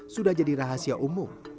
sudah jadi rahasia umum